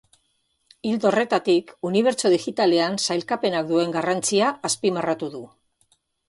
Ildo horretatik, unibertso digitalean sailkapenak duen garrantzia azpimarratu du.